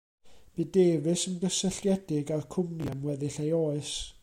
Bu Davies yn gysylltiedig â'r cwmni am weddill ei oes.